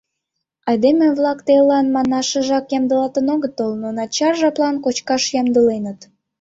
Айдеме-влак телылан манашыжак ямдылалтын огытыл, но начар жаплан кочкаш ямдыленыт.